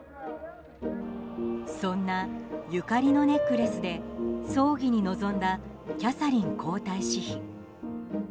そんな、ゆかりのネックレスで葬儀に臨んだキャサリン皇太子妃。